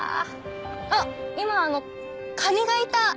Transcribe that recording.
あっ今カニがいた。